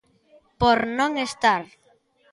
Por non estar.